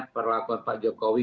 perlakuan pak jokowi